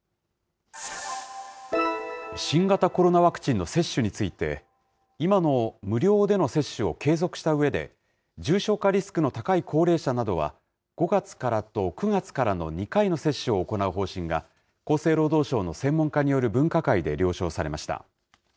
新型コロナワクチンの接種について、今の無料での接種を継続したうえで、重症化リスクの高い高齢者などは、５月からと９月からの２回の接種を行う方針が、厚生労働省の専門家による分科会で了承されました。